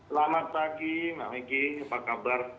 selamat pagi mbak megi apa kabar